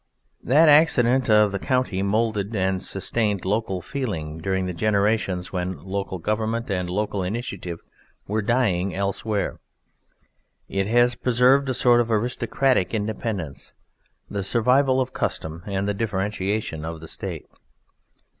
That accident of the county moulded and sustained local feeling during the generations when local government and local initiative were dying elsewhere; it has preserved a sort of aristocratic independence, the survival of custom, and the differentiation of the State.